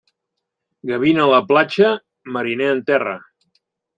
Gavina a la platja, mariner en terra.